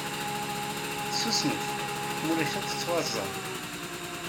Susmet, ma ulac ad tettwaẓẓɛem!